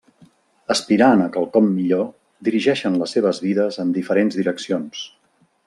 Aspirant a quelcom millor, dirigeixen les seves vides en diferents direccions.